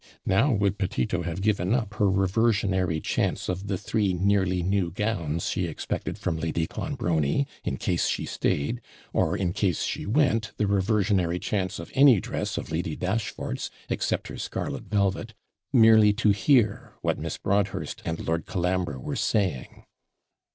Now would Petito have given up her reversionary chance of the three nearly new gowns she expected from Lady Clonbrony, in case she stayed; or, in case she went, the reversionary chance of any dress of Lady Dashfort's except her scarlet velvet, merely to hear what Miss Broadhurst and Lord Colambre were saying.